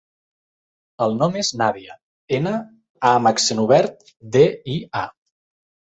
El nom és Nàdia: ena, a amb accent obert, de, i, a.